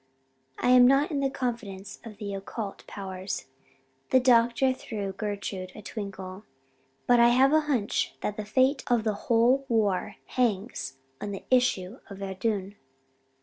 I am not in the confidence of the occult powers" the doctor threw Gertrude a twinkle "but I have a hunch that the fate of the whole war hangs on the issue of Verdun.